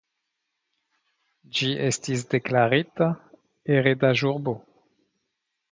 Ĝi estis deklarita heredaĵurbo.